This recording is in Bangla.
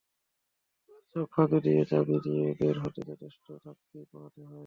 তার চোখ ফাঁকি দিয়ে চাবি নিয়ে বের হতে যথেষ্ট ঝক্কি পোহাতে হয়।